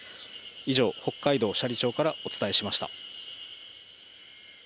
以上、北海道斜里町からお伝えしました。